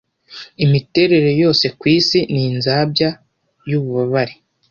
Imiterere yose kwisi ni inzabya yububabare